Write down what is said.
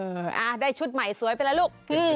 อ่าได้ชุดใหม่สวยไปแล้วลูก